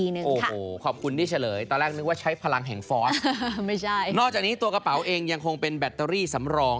นอกจากนี้ตัวกระเป๋าเองยังคงเป็นแบตเตอรี่สำรอง